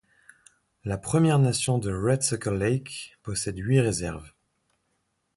La Première Nation de Red Sucker Lake possède huit réserves.